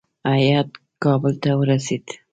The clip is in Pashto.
هیات کابل ته ورسېد.